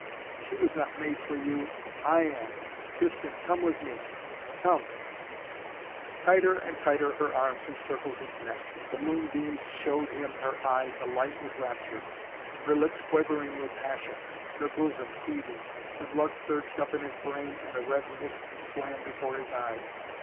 She was not made for you I am! Tristan come with me come " Tighter and tighter her arms encircled his neck. The moonbeams showed him her eyes alight with rapture, her lips quivering with passion, her bosom heaving. The blood surged up in his brain and a red mist swam before his eyes.